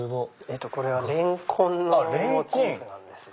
これはレンコンのモチーフなんですよ。